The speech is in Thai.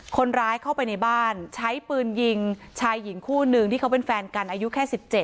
คนร้ายเข้าไปในบ้านใช้ปืนยิงชายหญิงคู่นึงที่เขาเป็นแฟนกันอายุแค่๑๗